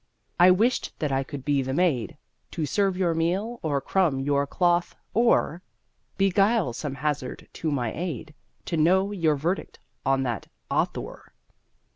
I wished that I could be the maid To serve your meal or crumb your cloth, or Beguile some hazard to my aid To know your verdict on that author!